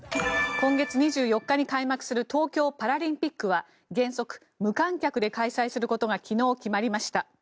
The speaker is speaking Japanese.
今月２４日に開幕する東京パラリンピックは原則無観客で開催することが昨日、決まりました。